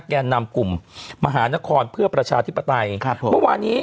แก่นำกลุ่มมหานครเพื่อประชาธิปไตยครับผมเมื่อวานี้